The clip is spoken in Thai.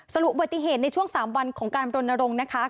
สรุปอุบัติเหตุในช่วง๓วันของการรณรงค์นะคะ